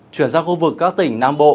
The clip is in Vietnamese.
chuyển sang khu vực các tỉnh nam bộ